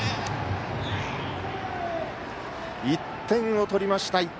１点を取りました。